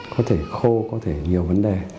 có thể khô có thể nhiều vấn đề